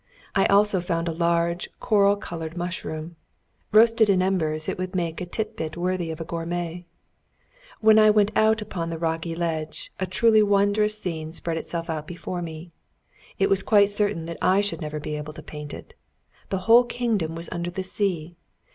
I also found a large coral coloured mushroom; roasted in embers, it would make a tit bit worthy of a gourmet. It was about ten o'clock when I got up to the Pagan Altar. When I went out upon the rocky ledge, a truly wondrous scene spread itself out before me; it was quite certain that I should never be able to paint it. The whole kingdom was under the sea!